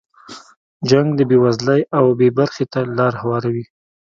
جنګ د بې وزلۍ او بې برخې ته لاره هواروي.